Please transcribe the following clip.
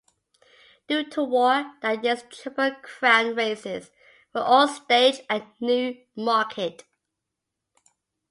Due to war, that year's Triple Crown races were all staged at Newmarket.